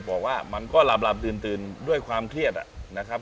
บอกว่ามันก็หลับตื่นด้วยความเครียดนะครับ